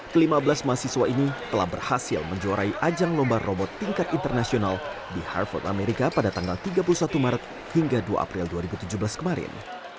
kelima belas mahasiswa ini telah berhasil menjuarai ajang lomba robot tingkat internasional di harvard amerika pada tanggal tiga puluh satu maret hingga dua april dua ribu tujuh belas kemarin